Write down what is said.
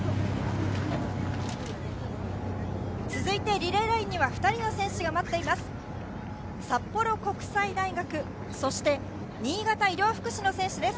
リレーラインには２人の選手が待っています。